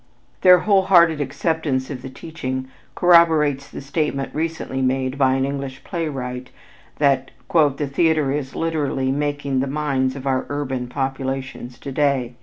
Their whole hearted acceptance of the teaching corroborates the statement recently made by an English playwright that "The theater is literally making the minds of our urban populations to day.